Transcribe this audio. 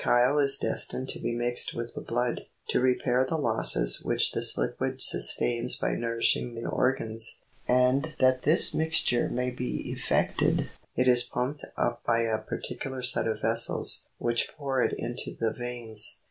The chyle is destined to be mixed with the blood, to repair the losses which this liquid sustains by nourishing the organs; and that this mixture may be effected, it is pumped up by a par ticular set of vessels which pour it into the veins.